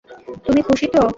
তুমি খুশি তো?